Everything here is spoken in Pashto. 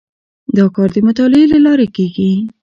دا کار د مطالعې له لارې کیږي.